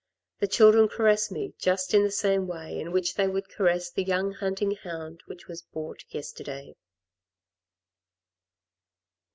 The children caress me just in the same way in which they would caress the young hunting hound which was bought yesterday.